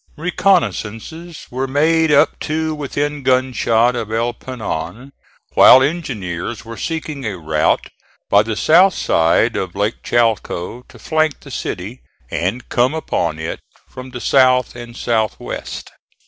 Reconnoissances were made up to within gun shot of El Penon, while engineers were seeking a route by the south side of Lake Chalco to flank the city, and come upon it from the south and south west.